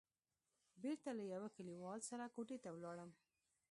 بېرته له يوه کليوال سره کوټې ته ولاړم.